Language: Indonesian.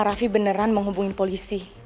pak rafi beneran menghubungi polisi